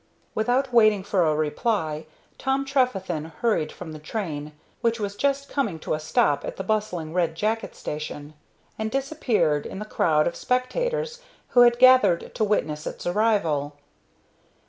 Without waiting for a reply Tom Trefethen hurried from the train, which was just coming to a stop at the bustling Red Jacket station, and disappeared in the crowd of spectators who had gathered to witness its arrival.